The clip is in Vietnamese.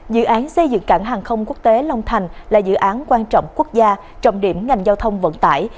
dự án xây dựng cảng hàng không quốc tế long thành là dự án quan trọng quốc gia trọng điểm ngành giao thông vận tải